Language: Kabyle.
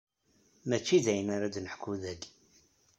Mačči d ayen ara d-neḥku dagi.